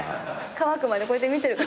乾くまでこうやって見てる。